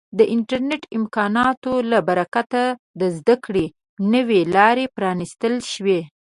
د انټرنیټ د امکاناتو له برکته د زده کړې نوې لارې پرانیستل شوي.